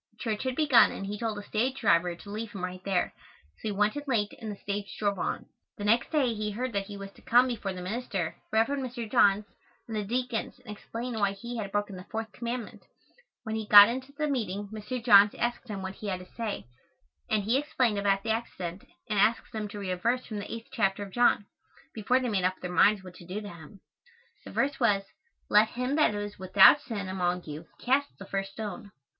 Church had begun and he told the stage driver to leave him right there, so he went in late and the stage drove on. The next day he heard that he was to come before the minister, Rev. Mr. Johns, and the deacons and explain why he had broken the fourth commandment. When he got into the meeting Mr. Johns asked him what he had to say, and he explained about the accident and asked them to read a verse from the 8th chapter of John, before they made up their minds what to do to him. The verse was, "Let him that is without sin among you cast the first stone."